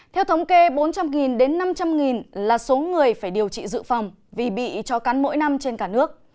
theo thống kê bốn trăm linh đến năm trăm linh là số người phải điều trị dự phòng vì bị cho cắn mỗi năm trên cả nước